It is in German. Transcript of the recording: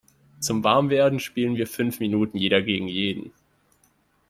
Zum Warmwerden spielen wir fünf Minuten jeder gegen jeden.